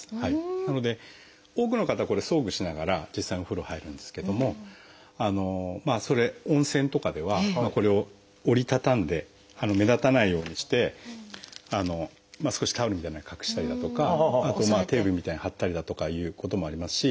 なので多くの方これ装具しながら実際にお風呂入るんですけども温泉とかではこれを折り畳んで目立たないようにして少しタオルみたいなので隠したりだとかあとテープみたいなのを貼ったりだとかいうこともありますし。